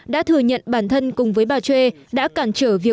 đã thừa nhận bản thân cùng với bà choi